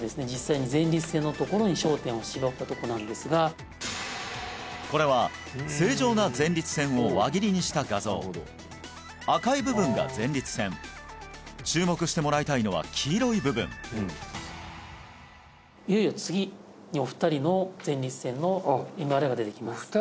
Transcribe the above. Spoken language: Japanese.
実際に前立腺のところに焦点を絞ったとこなんですがこれは正常な前立腺を輪切りにした画像赤い部分が前立腺注目してもらいたいのは黄色い部分いよいよ次にお二人の前立腺のＭＲＩが出てきます